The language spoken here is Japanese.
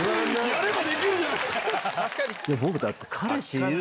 やればできるじゃないですか！